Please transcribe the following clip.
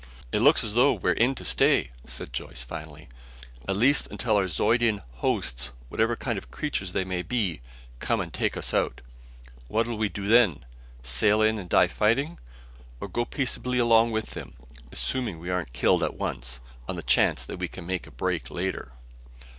"It looks as though we're in to stay," said Joyce finally. "At least until our Zeudian hosts, whatever kind of creatures they may be, come and take us out. What'll we do then? Sail in and die fighting? Or go peaceably along with them assuming we aren't killed at once on the chance that we can make a break later?"